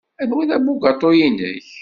Anwa ay d abugaṭu-nnek?